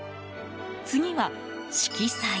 次は、色彩。